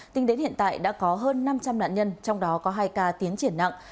tính đến hiện tại đã có hơn năm trăm linh nạn nhân trong đó có hai ca tiến triển nặng